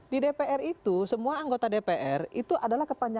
di dpr itu semua anggota dpr itu adalah kepentingan